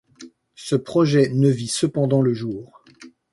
Ce projet ne vit cependant le jour.